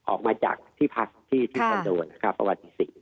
ออกมาจากที่พักที่ที่กันโดนประวัติที่๔